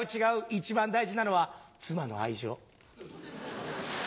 一番大事なのは妻の愛情。